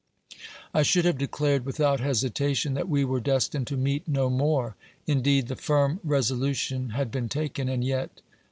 I should have declared without hesitation that we were destined to meet no more. Indeed the firm resolution had been taken, and yet.